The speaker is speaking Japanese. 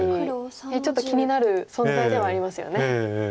ちょっと気になる存在ではありますよね。